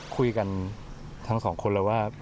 คุยกันทั้งสองคนแล้วว่า